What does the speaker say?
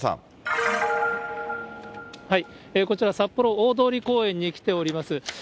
こちら、札幌大通公園に来ています。